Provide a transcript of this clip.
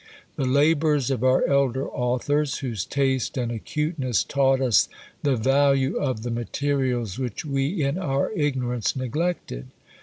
The labours of our elder authors, whose taste and acuteness taught us the value of the materials which we in our ignorance neglected.